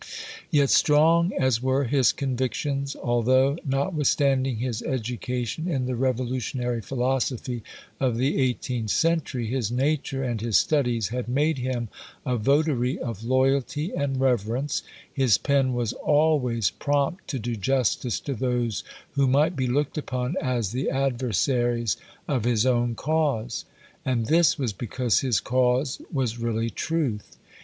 Yet strong as were his convictions, although, notwithstanding his education in the revolutionary philosophy of the eighteenth century, his nature and his studies had made him a votary of loyalty and reverence, his pen was always prompt to do justice to those who might be looked upon as the adversaries of his own cause: and this was because his cause was really truth.